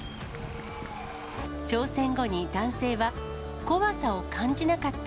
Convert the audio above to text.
挑戦後に男性は、怖さを感じなかった。